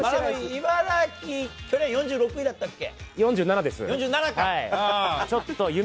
茨城、去年４６位だったっけ？